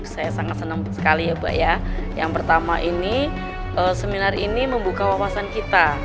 saya sangat senang sekali ya pak ya yang pertama ini seminar ini membuka wawasan kita